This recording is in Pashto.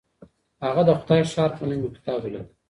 هغه د خدای ښار په نوم يو کتاب وليکه.